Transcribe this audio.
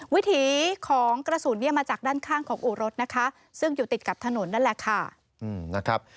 วิถีของกระสุนเนี่ยมาจากด้านข้างของอู่รถนะคะซึ่งอยู่ติดกับถนนนั่นแหละค่ะนะครับ